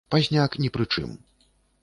Пазняк ні пры чым.